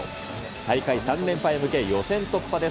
大会３連覇へ向け、予選突破です。